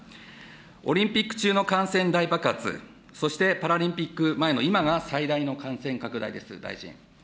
オリンピック中の感染大爆発、そしてパラリンピック前の今が最大の感染拡大ですよ、大臣。